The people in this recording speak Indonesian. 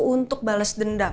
untuk balas dendam